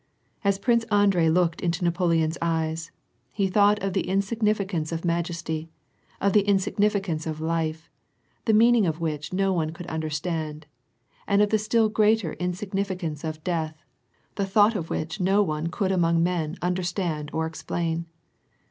As Prince Andrei looked into Napoleon's eyes, he thought of the insignificance of majesty, of the insignificance' of life, the meaning of which no one could understand, and of the still greater insignificance of death, the thought of which no one could among men understand or explain.